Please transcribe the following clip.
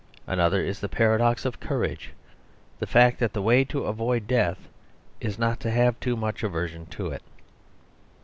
Another is the paradox of courage; the fact that the way to avoid death is not to have too much aversion to it.